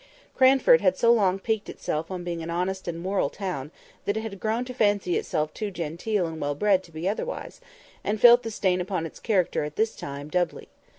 Cranford had so long piqued itself on being an honest and moral town that it had grown to fancy itself too genteel and well bred to be otherwise, and felt the stain upon its character at this time doubly.